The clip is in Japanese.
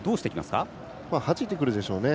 はじいてくるでしょうね。